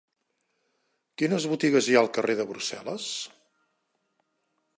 Quines botigues hi ha al carrer de Brussel·les?